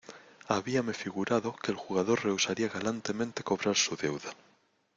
habíame figurado que el jugador rehusaría galantemente cobrar su deuda